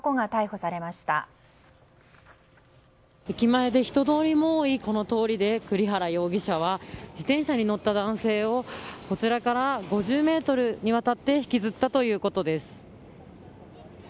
駅前で人通りも多いこの通りで栗原容疑者は自転車に乗った男性をこちらから５０ｍにわたって引きずったということです。